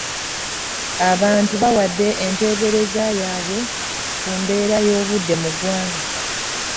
Abantu bawade entebereza yabwe ku mbeera y'obudde mu ggwanga.